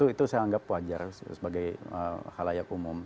itu saya anggap wajar sebagai hal layak umum